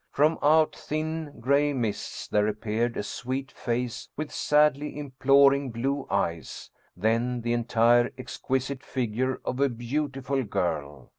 From out thin, gray mists there appeared a sweet face with sadly implor ing blue eyes, then the entire exquisite figure of a beautiful girl.